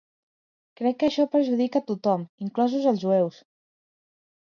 Crec que això perjudica tothom, inclosos els jueus.